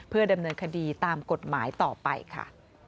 เพื่อดำเนินคดีตามกฎหมายต่อไปค่ะ